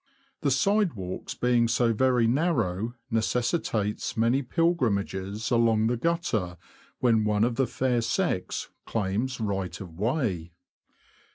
The side walks being so very narrow neces sitates many pilgrimages along the gutter when one of the fair sex claims right of way.